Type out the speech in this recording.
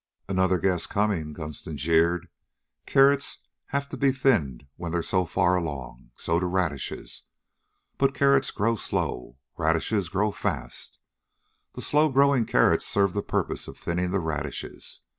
"Another guess coming," Gunston jeered. "Carrots have to be thinned when they're so far along. So do radishes. But carrots grow slow. Radishes grow fast. The slow going carrots serve the purpose of thinning the radishes.